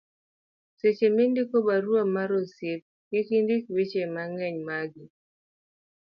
seche mindiko barua mar osiep kik indik weche mang'eny magi